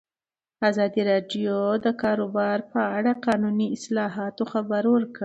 ازادي راډیو د د کار بازار په اړه د قانوني اصلاحاتو خبر ورکړی.